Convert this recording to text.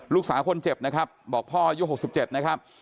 ลูกสาวคนเจ็บนะครับบอกพ่ออายุ๖๗นะครับ